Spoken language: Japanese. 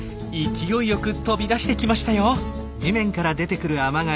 勢いよく飛び出してきましたよ。